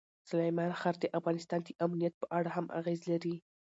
سلیمان غر د افغانستان د امنیت په اړه هم اغېز لري.